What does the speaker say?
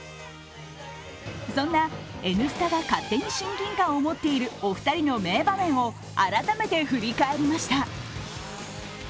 そんな「Ｎスタ」が勝手に親近感を持っているお二人の名場面を、改めて振り返りました。